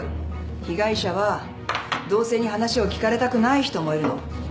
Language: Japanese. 被害者は同性に話を聞かれたくない人もいるの。